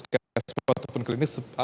ke hospital ataupun klinis